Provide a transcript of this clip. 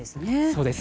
そうです。